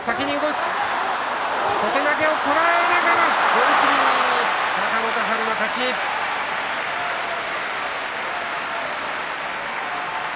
寄り切り若元春の勝ちです。